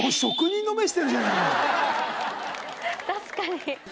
確かに。